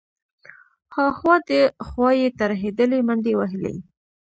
ها خوا دې خوا يې ترهېدلې منډې وهلې.